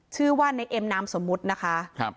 ชื่อว่าในเอ็มนามสมมุตินะคะ